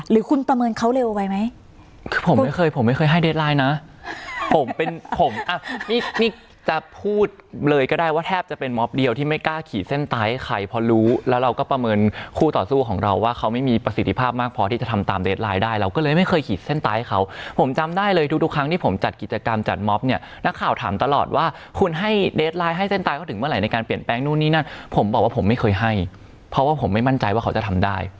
หรือคุณประเมินเขาเร็วไว้ไหมคือผมไม่เคยผมไม่เคยให้เดทไลน์นะผมเป็นผมอ่ะนี่นี่จะพูดเลยก็ได้ว่าแทบจะเป็นม็อบเดียวที่ไม่กล้าขี่เส้นตายให้ใครเพราะรู้แล้วเราก็ประเมินคู่ต่อสู้ของเราว่าเขาไม่มีประสิทธิภาพมากพอที่จะทำตามเดทไลน์ได้เราก็เลยไม่เคยขี่เส้นตายให้เขาผมจำได้เลยทุกทุกครั้งที่ผมจัดกิจกรร